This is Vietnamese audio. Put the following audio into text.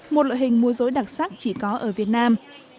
một loại hình mua dối đặc sắc chỉ có ở việt nam